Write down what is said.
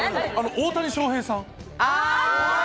大谷翔平さん？